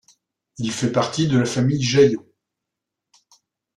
Il fait partie de la famille Jaillot.